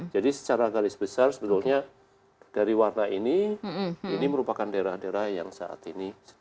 jadi secara garis besar sebetulnya dari warna ini ini merupakan daerah daerah yang saat ini